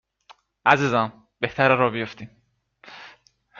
عزیزم بهتره راه بیفتیم